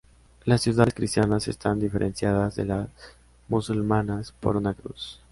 Las ciudades cristianas están diferenciadas de las musulmanas por una cruz.